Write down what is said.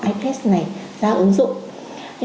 ips này ra ứng dụng